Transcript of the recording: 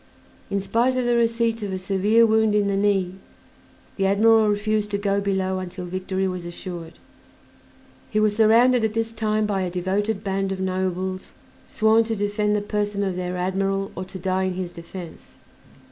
In spite of the receipt of a severe wound in the knee, the admiral refused to go below until victory was assured. He was surrounded at this time by a devoted band of nobles sworn to defend the person of their admiral or to die in his defense.